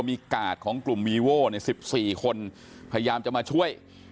มีกาดของกลุ่มวีโว้๑๔คนพยายามจะมาช่วย